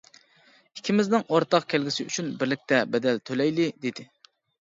ئىككىمىزنىڭ ئورتاق كەلگۈسى ئۈچۈن بىرلىكتە بەدەل تۆلەيلى-دېدى.